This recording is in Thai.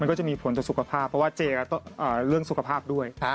มันก็จะมีผลสุขภาพเพราะว่าเจเรื่องสุขภาพด้วย